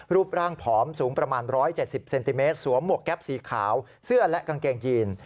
รูปร่างผอมสูงประมาณ๑๗๐เซนติเมตรสวมหวกแก๊ปสีขาวเสื้อและกางเกงยีน